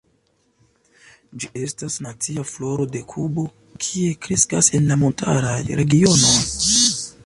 Ĝi estas nacia floro de Kubo, kie kreskas en la montaraj regionoj.